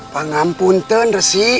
pangampun tuan resi